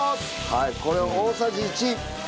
はいこれ大さじ１。